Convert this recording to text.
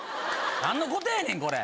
何のことやねんこれ！